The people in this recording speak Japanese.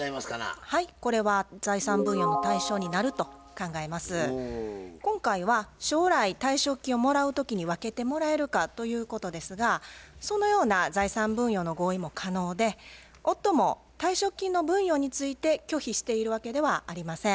これは財産分与の今回は将来退職金をもらう時に分けてもらえるかということですがそのような財産分与の合意も可能で夫も退職金の分与について拒否しているわけではありません。